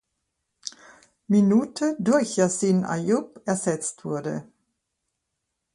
Minute durch Yassin Ayoub ersetzt wurde.